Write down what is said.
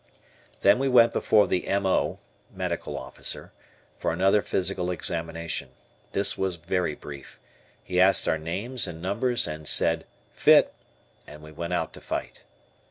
Then we went before the M. O. (Medical Officer) for another physical examination. This was very brief. He asked our names and numbers and said, "Fit," and we went out to fight.